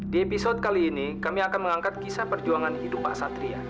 di episode kali ini kami akan mengangkat kisah perjuangan hidup pak satria